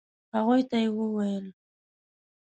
هغوی ته يې وويل.